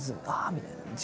みたいな。